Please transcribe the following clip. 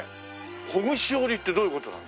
ほぐし織りってどういう事なの？